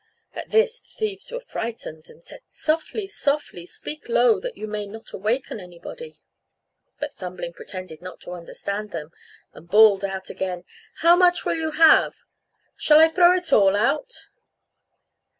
At this the thieves were frightened, and said "Softly, softly, speak low that you may not awaken anybody." But Thumbling pretended not to understand them, and bawled out again, "How much will you have? Shall I throw it all out?"